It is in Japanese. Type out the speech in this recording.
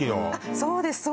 そうです